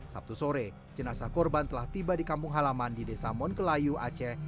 sabtu sore jenazah korban telah tiba di kampung halaman di desa monkelayu aceh